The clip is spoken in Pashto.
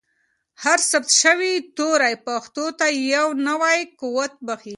هر ثبت شوی توری پښتو ته یو نوی قوت بښي.